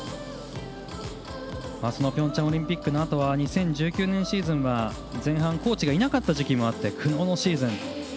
ピョンチャンオリンピックのあと２０１９年シーズンは前半コーチがいなかった時期もあり苦悩のシーズン。